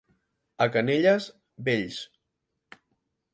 A Canelles, vells.